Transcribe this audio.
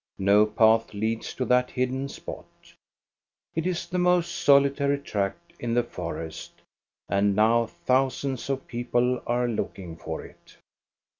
No path leads to that hidden spot. It is the most solitary tract in the forest, and now thousands of people are looking for it.